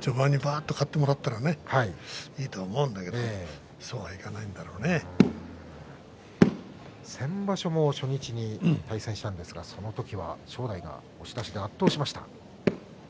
序盤にばあっと勝ってもらったらいいと思うんだけど先場所も初日に対戦したんですがその時は正代が圧倒しました。